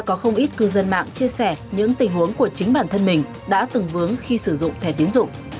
có không ít cư dân mạng chia sẻ những tình huống của chính bản thân mình đã từng vướng khi sử dụng thẻ tiến dụng